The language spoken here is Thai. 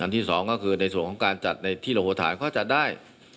ที่สองก็คือในส่วนการจัดไว้ที่แถมหัวฐานก็จัดได้